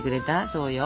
そうよ。